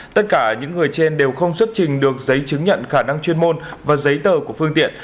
tất cả những người trên đều không xuất trình được giấy chứng nhận khả năng chuyên môn và giấy tờ của phương tiện